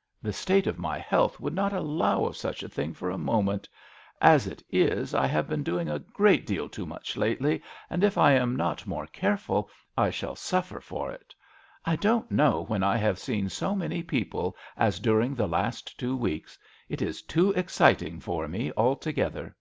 * The state of my health would not allow of such a thing for a moment. As it is, I have been doing a great deal too much lately, and if I am not more careful I shall suffer for it. I don't know when I have seen so many people as during the last two weeks : it is too exciting for me altogether."